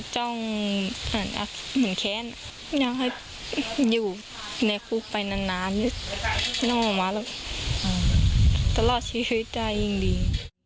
จ้องเหมือนแค้นอยากให้อยู่ในคุกไปนานไม่ออกมาหรอกตลอดชีวิตได้ยิ่งดี